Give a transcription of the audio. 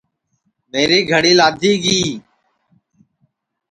میری گھڑی لادھی گی